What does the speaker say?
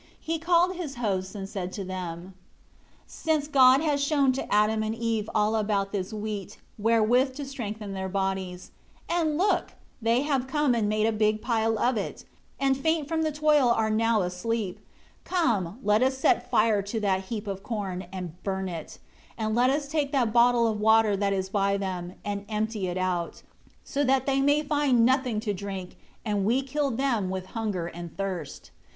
And he called his hosts, and said to them, "Since God has shown to Adam and Eve all about this wheat, wherewith to strengthen their bodies and, look, they have come and made a big pile of it, and faint from the toil are now asleep come, let us set fire to this heap of corn, and burn it, and let us take that bottle of water that is by them, and empty it out, so that they may find nothing to drink, and we kill them with hunger and thirst.